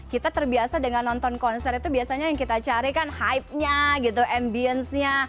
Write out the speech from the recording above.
kita terbiasa dengan nonton konser itu biasanya yang kita cari kan hype nya gitu ambience nya